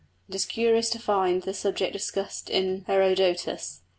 It is curious to find the subject discussed in Herodotus.